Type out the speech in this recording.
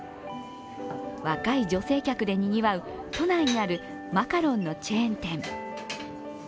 若い女性客でにぎわう都内にあるマカロンのチェーン店。